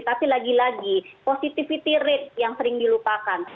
tapi lagi lagi positivity rate yang sering dilupakan